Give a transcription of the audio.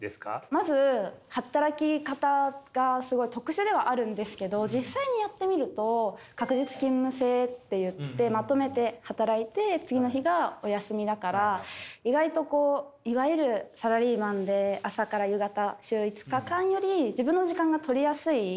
まず働き方がすごい特殊ではあるんですけど実際にやってみると隔日勤務制っていってまとめて働いて次の日がお休みだから意外といわゆるサラリーマンで朝から夕方週５日間より自分の時間がとりやすい。